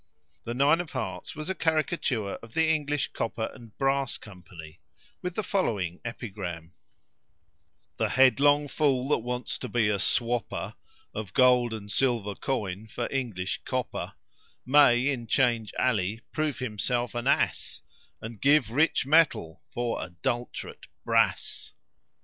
The nine of hearts was a caricature of the English Copper and Brass Company, with the following epigram: "The headlong fool that wants to be a swopper Of gold and silver coin for English copper, May, in Change Alley, prove himself an ass, And give rich metal for adultrate brass."